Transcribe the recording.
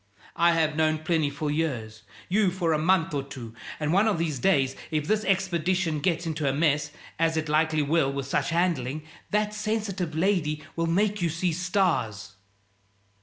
I have known Plinny for years you for a month or two; and one of these days, if this expedition gets into a mess as it likely will with such handling that sensitive lady will make you see stars."